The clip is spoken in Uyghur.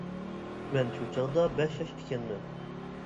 مەن شۇ چاغدا بەش ياش ئىكەنمەن.